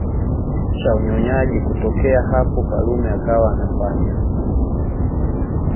cha unyonyaji Kutokea hapo Karume akawa anafanya